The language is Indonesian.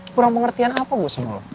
kurang pengertian apa gue sama lo